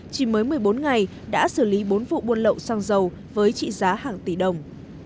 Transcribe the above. chỉ mới một mươi bốn ngày đã xử lý bốn vụ buôn lậu xăng dầu với trị giá hàng tỷ đồng